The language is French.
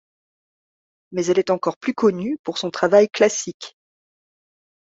Mais elle est encore plus connue pour son travail classique.